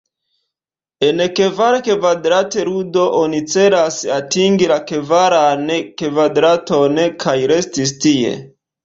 En Kvar-kvadrat-ludo, oni celas atingi la kvaran kvadraton, kaj resti tie.